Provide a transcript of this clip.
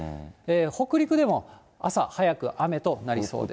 北陸でも朝早く雨となりそうです。